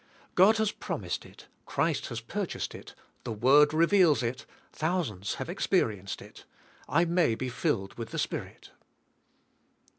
God has promised it, Christ has purchased it, the Word re veals it, thousands have experienced it. I may be filled with the Spirit.